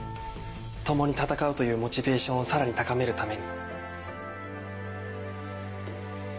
共に戦うというモチベーションをさらに高めるために。